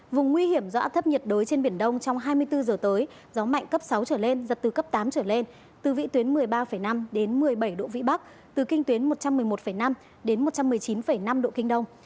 vùng nguy hiểm do áp thấp nhiệt đới trên biển đông trong hai mươi bốn h tới gió mạnh cấp sáu trở lên giật từ cấp tám trở lên từ vị tuyến một mươi ba năm đến một mươi bảy độ vĩ bắc từ kinh tuyến một trăm một mươi một năm đến một trăm một mươi chín năm độ kinh đông